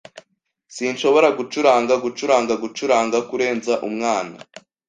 Sinshobora gucuranga gucuranga gucuranga kurenza umwana.